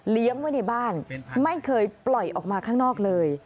ไว้ในบ้านไม่เคยปล่อยออกมาข้างนอกเลย